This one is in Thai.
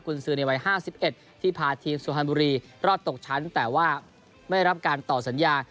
คุณซื้อในวัย๕๑ที่พาทีมสุพรรณบุรีรอดตกชั้นแต่ว่าไม่ได้รับการต่อสัญญา